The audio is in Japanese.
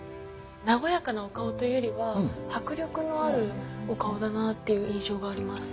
和やかなお顔というよりは迫力のあるお顔だなっていう印象があります。